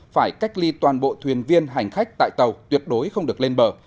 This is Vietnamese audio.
phải cách ly toàn bộ thuyền viên hành khách tại tàu tuyệt đối không được lên bờ